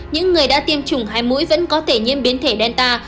những người đã tiêm chủng hai mũi vẫn có thể nhiễm biến thể delta